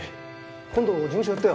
今度事務所寄ってよ。